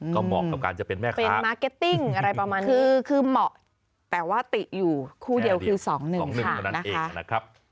ก็เหมาะกับการจะเป็นแม่ค้าคือเหมาะแต่ว่าติดอยู่คู่เดียวคือ๒๑๓นะคะ